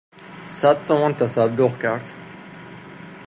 صد تومان تصدق کرد